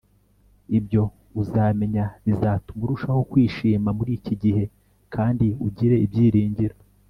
ibyo uzamenya bizatuma urushaho kwishima muri iki gihe kandi ugire ibyiringiro